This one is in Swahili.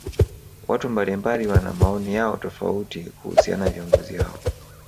watu mbalimbali wana maoni yao tofauti kuhusiana viongozi hao